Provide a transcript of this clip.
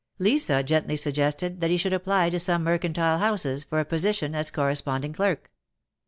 Lisa gently suggested that he should apply to some mercantile houses for a position as corresponding clerk.